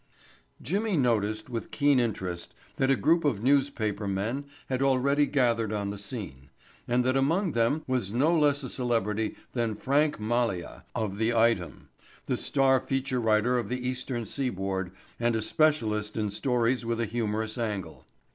Jimmy noticed with keen interest that a group of newspaper men had already gathered on the scene, and that among them was no less a celebrity than Frank Malia, of the Item, the star feature writer of the Eastern Seaboard and a specialist in stories with a humorous angle.